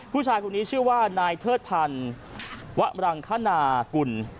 ผู้ชายคนนี้ชื่อว่านายเทิดพันธ์วะรังคณากุล